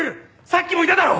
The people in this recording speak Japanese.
さっきもいただろ！